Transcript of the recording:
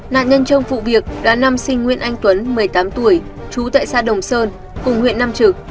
nạn nhân trong vụ việc đã năm sinh nguyên anh tuấn một mươi tám tuổi chú tại xã đồng sơn cùng huyện nam trực